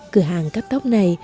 cửa hàng cắt tóc này